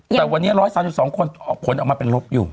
แต่วันนี้๑๓๒คนออกผลออกมาเป็นลบอยู่